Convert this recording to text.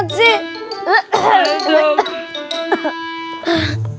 aduh anget sih